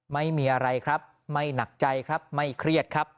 ไม่มีอะไรครับไม่หนักใจครับไม่เครียดครับ